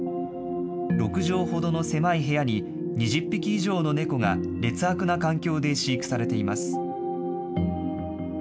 ６畳ほどの狭い部屋に２０匹以上の猫が、劣悪な環境で飼育されています。